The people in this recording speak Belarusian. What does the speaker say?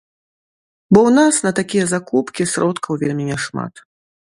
Бо ў нас на такія закупкі сродкаў вельмі няшмат.